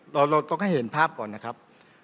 เราต้องให้เห็นภาพก่อนนะครับ